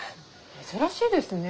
珍しいですね。